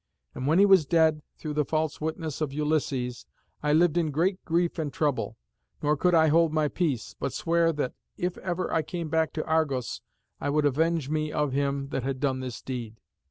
And when he was dead, through the false witness of Ulysses, I lived in great grief and trouble, nor could I hold my peace, but sware that if ever I came back to Argos I would avenge me of him that had done this deed.